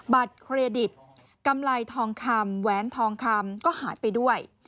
บัตรเครดิตกำไรทองคำแหวนทองคำก็หายไปด้วย